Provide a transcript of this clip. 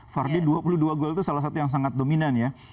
vardy dua puluh dua gol itu salah satu yang sangat dominan ya